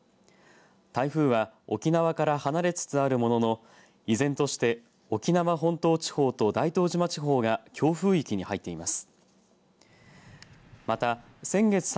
台風は沖縄から離れつつあるものの依然として沖縄本島地方と大東島地方が強風域に入っています。